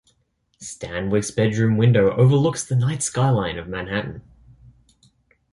Stanwyck's bedroom window overlooks the night skyline of Manhattan.